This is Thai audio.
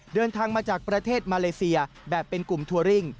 เดินทางมาจากประเทศมาเลเซียแบบเป็นกลุ่มทัวริ่ง